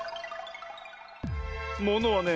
ものはね